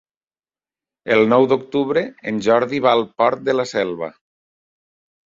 El nou d'octubre en Jordi va al Port de la Selva.